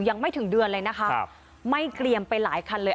ยังไม่ถึงเดือนเลยนะคะครับไม่เกรียมไปหลายคันเลย